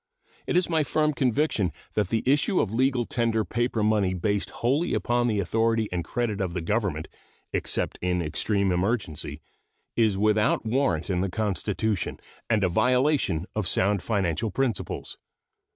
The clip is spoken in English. It is my firm conviction that the issue of legal tender paper money based wholly upon the authority and credit of the Government, except in extreme emergency, is without warrant in the Constitution and a violation of sound financial principles.